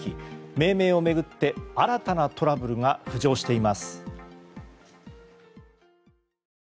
命名を巡って新たなトラブルが浮上しています。